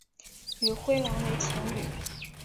与灰狼为情侣。